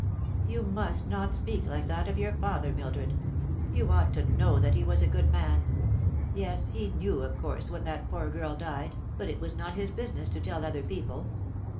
"You must not speak like that of your father, Mildred. You ought to know that he was a good man. Yes, he knew, of course, when that poor girl died, but it was not his business to tell other people.